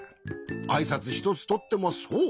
あいさつひとつとってもそう。